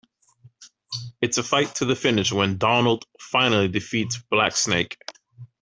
It's a fight to the finish when Donald finally defeats Blacksnake.